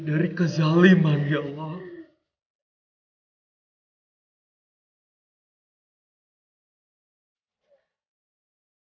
dari kesulitan dan cobaan yang telah kuberikan